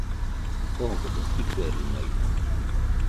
Ogodo jiferunaide